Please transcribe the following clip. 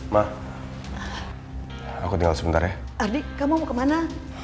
mah aku tinggal sebentar ya ardi kamu kemana